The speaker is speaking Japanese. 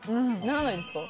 ならないですか？